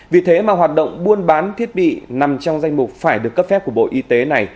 vì thế mà hoạt động buôn bán thiết bị nằm trong danh mục phải được cấp phép của bộ y tế này